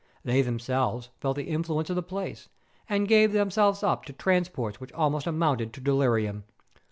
They themselves felt the influence of the place, and gave themselves up to transports which almost amounted to delirium.